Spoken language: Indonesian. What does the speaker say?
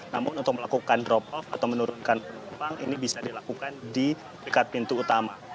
namun untuk melakukan drop off atau menurunkan penumpang ini bisa dilakukan di dekat pintu utama